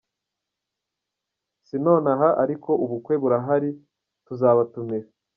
Si none aha ariko ubukwe burahari, tuzabatumira.